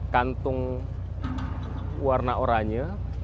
kantung warna oranye